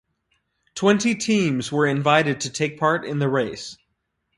Twenty teams were invited to take part in the race.